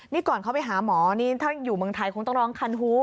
นี่ก่อนเขาไปหาหมอนี่ถ้าอยู่เมืองไทยคงต้องร้องคันหู